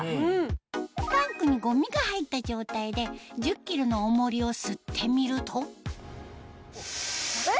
タンクにゴミが入った状態で１０ｋｇの重りを吸ってみるとえ！